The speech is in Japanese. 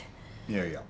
いやいや。